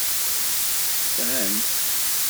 Sɛan-tt.